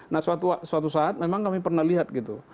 nah suatu saat memang kami pernah lihat gitu